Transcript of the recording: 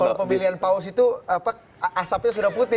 kalau pemilihan paus itu asapnya sudah putih